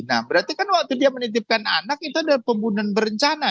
nah berarti kan waktu dia menitipkan anak itu adalah pembunuhan berencana